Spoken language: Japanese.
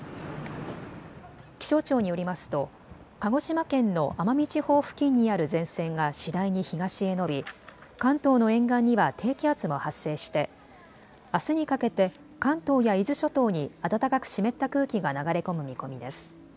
気象庁によりますと鹿児島県の奄美地方付近にある前線が次第に東へ延び関東の沿岸には低気圧も発生してあすにかけて関東や伊豆諸島に暖かく湿った空気が流れ込む見込みです。